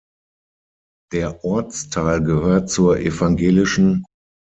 Der Ortsteil gehört zur Ev.